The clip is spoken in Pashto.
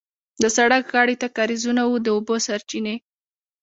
د سړک غاړې ته کارېزونه وو د اوبو سرچینې.